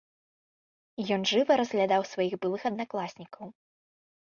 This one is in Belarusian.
Ён жыва разглядаў сваіх былых аднакласнікаў.